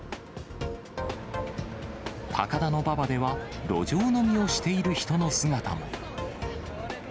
高田馬場では路上飲みをしている人の姿も。